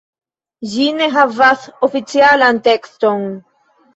Ĝi ne havas oficialan tekston.